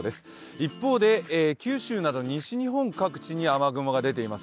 一方で、九州など西日本各地に雨雲が出ています。